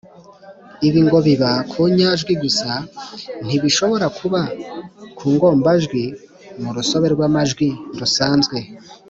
ibi ngo biba ku nyajwi gusa ntibishobora kuba ku ngombajwi mu rusobe rw’amajwi rusanzwe.